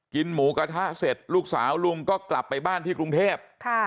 หมูกระทะเสร็จลูกสาวลุงก็กลับไปบ้านที่กรุงเทพ